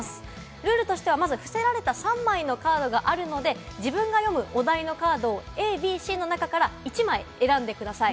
ルールとしてはまず伏せられた３枚のカードがあるので自分が読むお題のカードをＡ、Ｂ、Ｃの中から１枚選んでください。